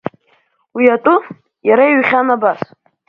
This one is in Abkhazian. Уи атәы иара иҩхьан абас…